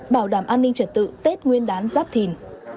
bảo đảm an ninh trật tự tết nguyên đán giáp thìn